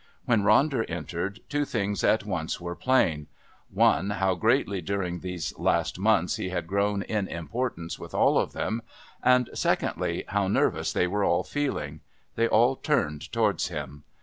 When Ronder entered, two things at once were plain one, how greatly during these last months he had grown in importance with all of them and, secondly, how nervous they were all feeling. They all turned towards him.